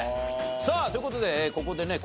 さあという事でここでね